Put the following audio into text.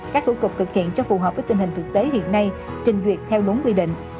các thủ tục thực hiện cho phù hợp với tình hình thực tế hiện nay trình duyệt theo đúng quy định